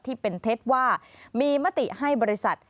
ที่เป็นเท็จว่ามีมติให้บริษัท